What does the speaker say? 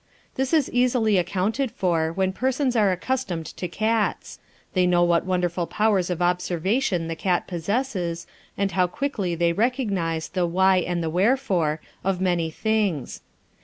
This is easily accounted for when persons are accustomed to cats; they know what wonderful powers of observation the cat possesses, and how quickly they recognise the "why and the wherefore" of many things.